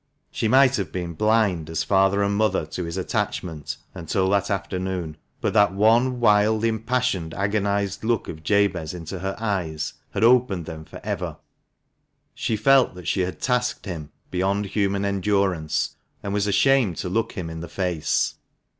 She might have been blind as father and mother to his attachment until that afternoon ; but that one wild, impassioned, agonized look of Jabez into her eyes had opened them for ever : she felt she had tasked him beyond THE MANCHESTER MAN. 291 human endurance, and was ashamed to look him in the face.